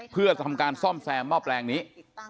เพื่อทำการซ่อมแซมหม้อแปลงนี้